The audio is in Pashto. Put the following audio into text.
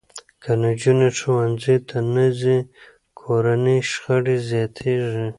که نجونې ښوونځي ته نه ځي، کورني شخړې زیاتېږي.